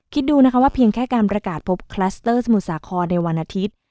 คิดดูนะคะว่าเพียงแค่การประกาศพบคลัสเตอร์สมุทรสาครในวันอาทิตย์